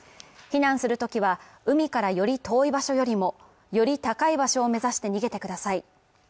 避難するときは、海からより遠い場所よりもより高い場所を目指して逃げてください。